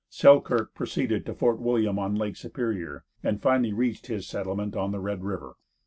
Selkirk proceeded to Fort William, on Lake Superior, and finally reached his settlement on the Red river.